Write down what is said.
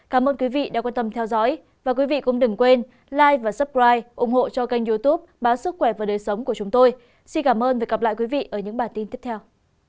cảm ơn các bạn đã theo dõi và hẹn gặp lại trong các bản tin tiếp theo